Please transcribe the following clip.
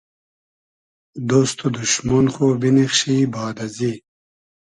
دۉست و دوشمۉن خو بینیخشی باد ازی